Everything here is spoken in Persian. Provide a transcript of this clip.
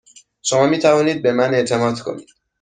شما می توانید به من اعتماد کنید.